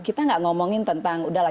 kita tidak mengomongkan tentang sudah lah